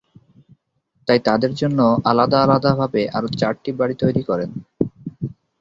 তাই তাদের জন্য আলাদা আলাদাভাবে আরো চারটি বাড়ি তৈরি করেন।